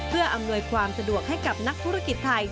เพื่ออำนวยความสะดวกให้กับนักธุรกิจไทย